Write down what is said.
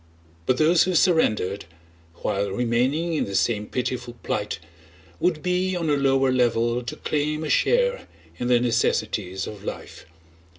But those who surrendered, while remaining in the same pitiful plight, would be on a lower level to claim a share in the necessities of life.